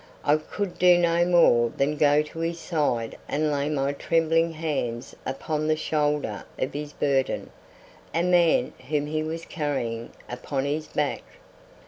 I could do no more than go to his side and lay my trembling hands upon the shoulder of his burden a man whom he was carrying upon his back.